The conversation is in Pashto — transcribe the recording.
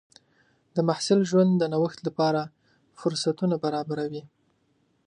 د محصل ژوند د نوښت لپاره فرصتونه برابروي.